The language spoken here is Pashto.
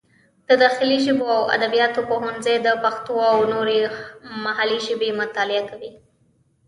د داخلي ژبو او ادبیاتو پوهنځی د پښتو او نورې محلي ژبې مطالعه کوي.